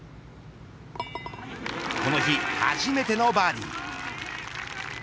この日、初めてのバーディー。